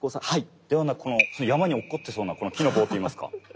ではなく山に落っこってそうなこの木の棒といいますか。